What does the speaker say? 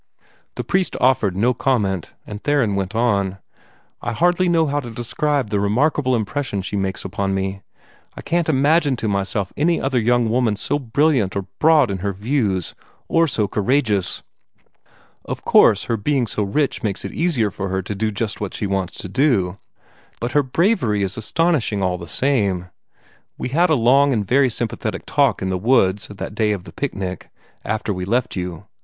The priest offered no comment, and Theron went on: "I hardly know how to describe the remarkable impression she makes upon me. I can't imagine to myself any other young woman so brilliant or broad in her views, or so courageous. Of course, her being so rich makes it easier for her to do just what she wants to do, but her bravery is astonishing all the same. We had a long and very sympathetic talk in the woods, that day of the picnic, after we left you.